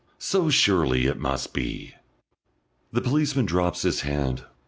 So surely it must be The policeman drops his hand.